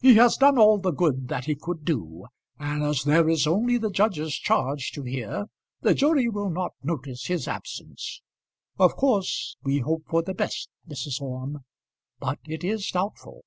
"He has done all the good that he could do, and as there is only the judge's charge to hear, the jury will not notice his absence. Of course we hope for the best, Mrs. Orme, but it is doubtful."